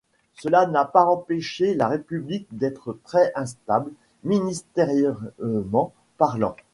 Cela n’a pas empêché la République d’être très instable ministériellement parlant.